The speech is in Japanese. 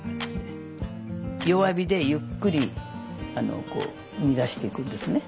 弱火でゆっくりあのこう煮出していくんですね。